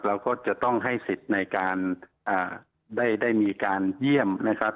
เราก็จะต้องให้สิทธิ์ในการได้มีการเยี่ยมนะครับ